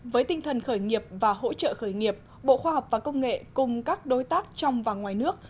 với tinh thần khởi nghiệp và hỗ trợ khởi nghiệp bộ khoa học và công nghệ cùng các đối tác trong và ngoài nước